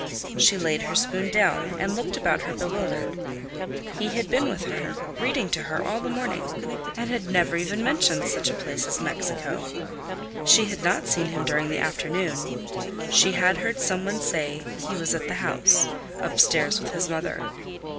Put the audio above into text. She laid her spoon down and looked about her bewildered. He had been with her, reading to her all the morning, and had never even mentioned such a place as Mexico. She had not seen him during the afternoon; she had heard some one say he was at the house, upstairs with his mother.